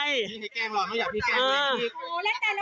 พี่ให้แกล้งเหรอไม่อยากให้แกล้งอะไร